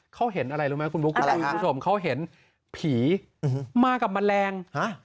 เขาเห็นอะไรรู้ไหมคุณผู้ชมเขาเห็นผีมากับแมลง